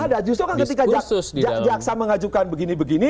ada justru kan ketika jaksa mengajukan begini begini